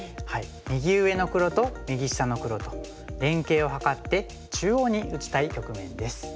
右上の黒と右下の黒と連携を図って中央に打ちたい局面です。